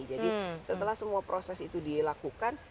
jadi setelah semua proses itu dilakukan